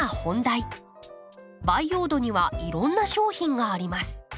培養土にはいろんな商品があります。